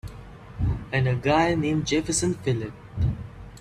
And a guy named Jefferson Phillip.